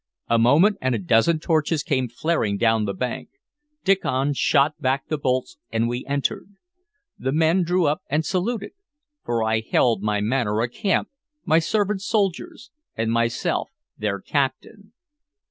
A moment, and a dozen torches came flaring down the bank. Diccon shot back the bolts, and we entered. The men drew up and saluted; for I held my manor a camp, my servants soldiers, and myself their captain.